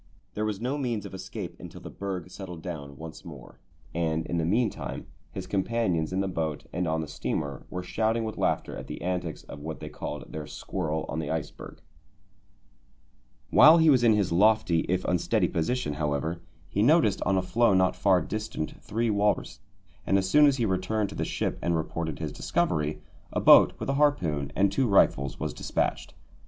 There was no means of escape until the berg settled down once more, and in the meantime his companions in the boat and on the steamer were shouting with laughter at the antics of what they called their squirrel on the iceberg. While he was in his lofty if unsteady position, however, he noticed on a floe not far distant three walrus, and as soon as he returned to the ship and reported his discovery, a boat with a harpoon and two rifles was despatched.